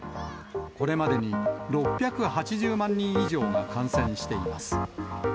これまでに６８０万人以上が感染しています。